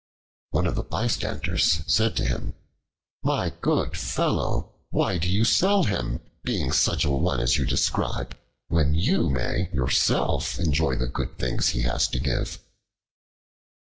One of the bystanders said to him, "My good fellow, why do you sell him, being such a one as you describe, when you may yourself enjoy the good things he has to give?"